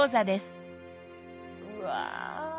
うわ。